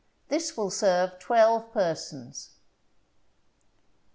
This will serve twelve persons.